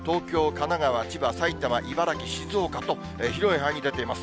神奈川、千葉、埼玉、茨城、静岡と、広い範囲に出ています。